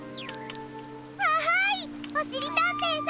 わいおしりたんていさん！